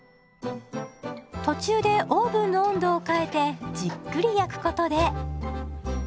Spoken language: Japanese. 途中でオーブンの温度を変えてじっくり焼くことで。